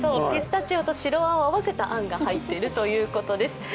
ピスタチオと白あんを合わせたあんが入っているということです。